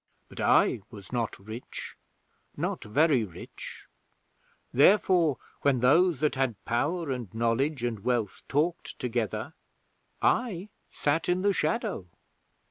But I was not rich not very rich. Therefore, when those that had power and knowledge and wealth talked together, I sat in the shadow.